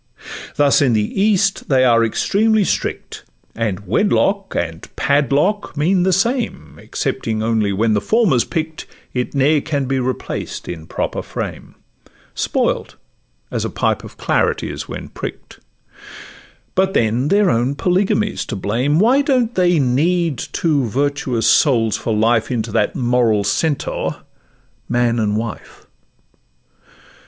Thus in the East they are extremely strict, And Wedlock and a Padlock mean the same; Excepting only when the former 's pick'd It ne'er can be replaced in proper frame; Spoilt, as a pipe of claret is when prick'd: But then their own Polygamy 's to blame; Why don't they knead two virtuous souls for life Into that moral centaur, man and wife?